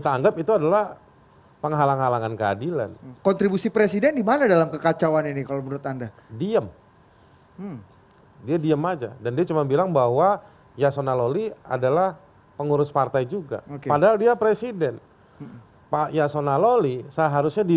terima kasih terima kasih